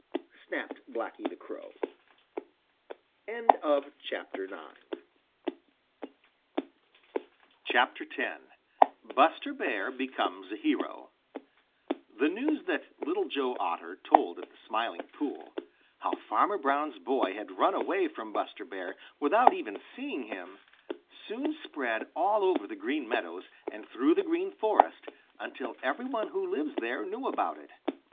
snapped Blacky the Crow. X BUSTER BEAR BECOMES A HERO The news that Little Joe Otter told at the Smiling Pool, how Farmer Brown's boy had run away from Buster Bear without even seeing him, soon spread all over the Green Meadows and through the Green Forest, until every one who lives there knew about it.